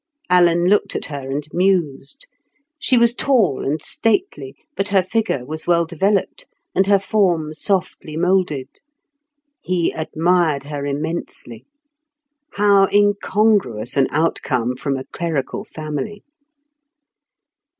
Alan looked at her and mused. She was tall and stately, but her figure was well developed, and her form softly moulded. He admired her immensely. How incongruous an outcome from a clerical family!